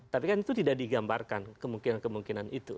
tapi kan itu tidak digambarkan kemungkinan kemungkinan itu